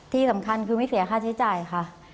ที่สำคัญคือไม่เสียค่าใช้จ่ายค่ะ